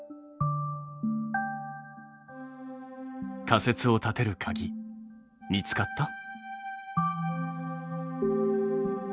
仮説を立てるかぎ見つかった？